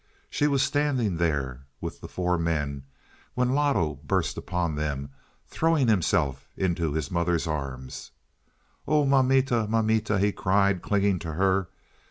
She was standing there, with the four men, when Loto burst upon them, throwing himself into his mother's arms. "Oh, mamita, mamita," he cried, clinging to her.